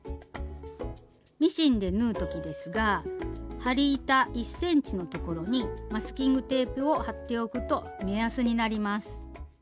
ミシンで縫う時ですが針板１ｃｍのところにマスキングテープを貼っておくと目安になります。